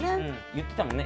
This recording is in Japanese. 言ってたもんね